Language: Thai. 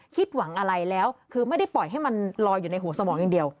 คิดหวังอะไรแล้วคือไม่ได้ปล่อยให้มันลอยอยู่ในหัวสมองอย่างเดียว